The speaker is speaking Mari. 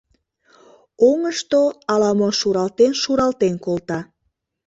Оҥышто ала-мо шуралтен-шуралтен колта.